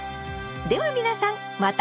では皆さんまた次回！